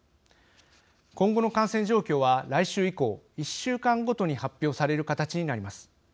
今後の感染状況は来週以降１週間ごとに発表される形になります。